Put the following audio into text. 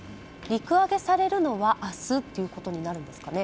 陸揚げされるのは明日ということになるんですかね。